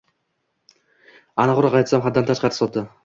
Aniqroq aytsam, haddan tashqari sodda